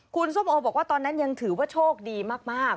คุณส้มโอบอกว่าตอนนั้นยังถือว่าโชคดีมาก